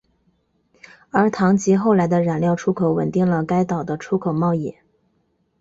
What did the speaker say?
而糖及后来的染料出口稳定了该岛的出口贸易。